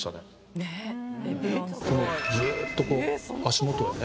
ずっとこう足元がね